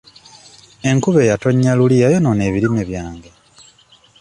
Enkuba eyatonnya luli yayonoona ebirime byange.